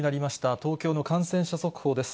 東京の感染者速報です。